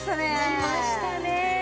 きましたね。